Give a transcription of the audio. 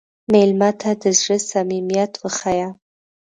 مېلمه ته د زړه صمیمیت وښیه.